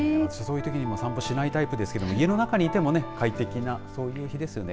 散歩しないタイプですけど家の中にいても快適なそういう日ですよね。